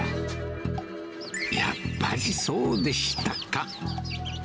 やっぱりそうでしたか。